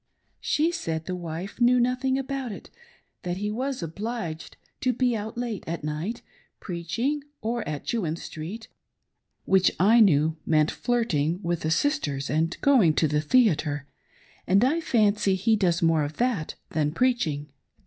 She said the wife knew nothing about it ; that he was obliged to be out late at night, preaching, or at Jewin Street, which I knew meant flirting with the sis ters and going to the theatre, and I fancy he does more of that than preaching.